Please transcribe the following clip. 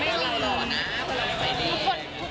ไม่รู้อย่างไรง่ะ